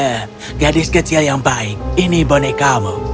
he he gadis kecil yang baik ini bonekamu